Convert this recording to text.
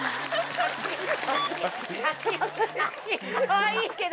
かわいいけど。